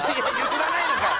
譲らないのかい。